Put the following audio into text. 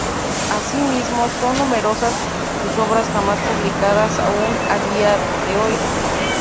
Asimismo, son numerosas sus obras jamás publicadas aún a día de hoy.